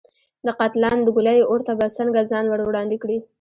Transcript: د قاتلانو د ګولیو اور ته به څنګه ځان ور وړاندې کړي.